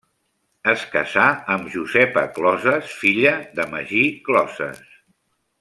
Es casà amb Josepa Closes, filla de Magí Closes.